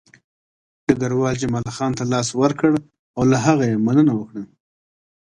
ډګروال جمال خان ته لاس ورکړ او له هغه یې مننه وکړه